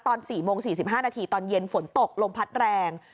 ๔โมง๔๕นาทีตอนเย็นฝนตกลมพัดแรง